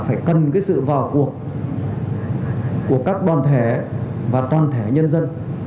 phải cần cái sự vào cuộc của các đoàn thể và toàn thể nhân dân